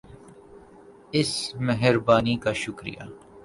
اس مہربانی کا شکریہ